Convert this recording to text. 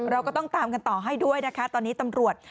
เราก็ต้องตามกันต่อให้ด้วยนะคะตอนนี้ตำรวจ